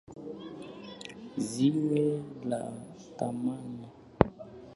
Jiwe la thamani.